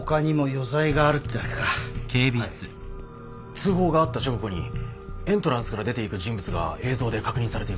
通報があった直後にエントランスから出ていく人物が映像で確認されています。